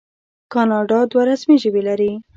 کاناډا دوه رسمي ژبې لري.